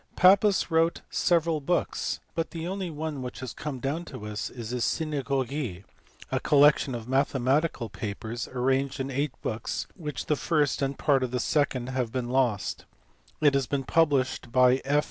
Pappus wrote several books, but the only one which has come down to us is his Swaywy^, a collection of mathematical papers arranged in eight books of which the first and part of the second have been lost; it has been published by F.